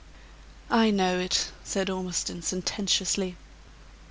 "I know it!" said Ormiston, sententiously.